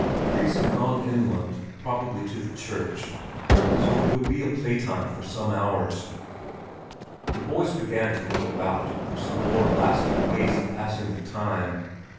Fris had gone inland, probably to the church, so it would be a playtime of some hours. The boys began to look about for some more lasting ways of passing the time.